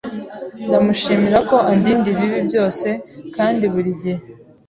ndamushimira ko andinda ibibi byose kkandi buri gihe